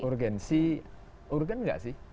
urgensi urgen nggak sih